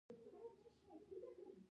الله مو راوله